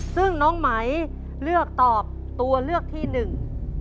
ซึ่งน้องไหมเลือกตอบตัวเลือกที่หนึ่ง